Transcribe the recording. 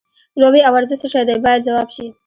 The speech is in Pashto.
لوبې او ورزش څه شی دی باید ځواب شي.